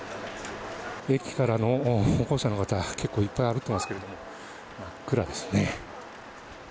駅からの歩行者の方、結構、いっぱい歩いてますけれども、真っ暗ですね。